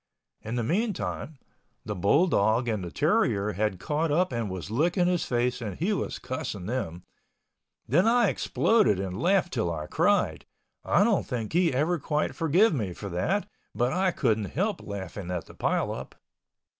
In the meantime, the bull dog and the terrier had caught up and was licking his face and he was cussing them. Then I exploded and laughed 'til I cried—I don't think he ever quite forgive me for that but I couldn't help laughing at the pile up.